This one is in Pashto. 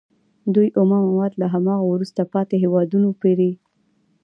دوی اومه مواد له هماغو وروسته پاتې هېوادونو پېري